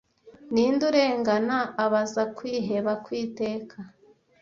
ninde urengana abaza kwiheba kw'iteka